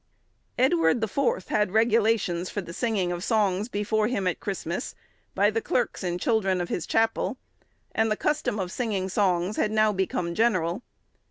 Edward the Fourth had regulations for the singing of songs before him at Christmas, by the clerks and children of his chapel, and the custom of singing songs had now become general.